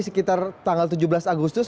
sekitar tanggal tujuh belas agustus